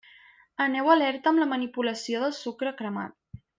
Aneu alerta amb la manipulació del sucre cremat.